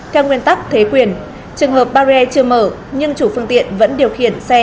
theo nguyên tắc thế quyền trường hợp barrier chưa mở nhưng chủ phương tiện vẫn điều khiển xe